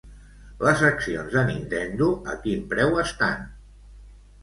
Les accions de Nintendo, a quin preu estan?